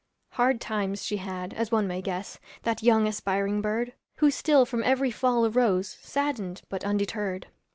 Hard times she had as one may guess, That young aspiring bird, Who still from every fall arose Saddened but undeterred.